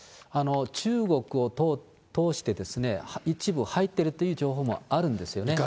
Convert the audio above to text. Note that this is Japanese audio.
中国を通して一部、入っているという情報があるんですよね。